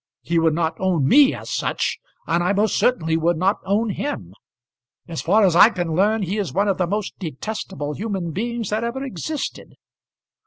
He would not own me as such, and I most certainly would not own him. As far as I can learn he is one of the most detestable human beings that ever existed."